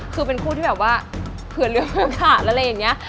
คือเป็นผู้ที่แบบว่าเผื่อเลือกโอกาสอะไรอย่างนี้